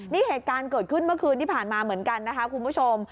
นี่เหตุการณ์เกิดขึ้นเมื่อคืนที่ผ่านมาเหมือนกันนะคะคุณผู้ชม